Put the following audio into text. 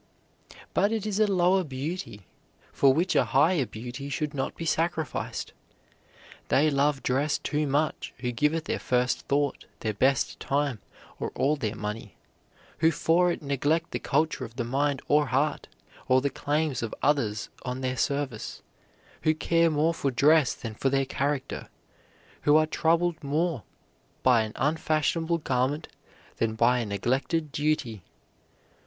But it is a lower beauty, for which a higher beauty should not be sacrificed. They love dress too much who give it their first thought, their best time, or all their money; who for it neglect the culture of the mind or heart, or the claims of others on their service; who care more for dress than for their character; who are troubled more by an unfashionable garment than by a neglected duty.